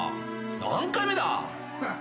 何回目だ！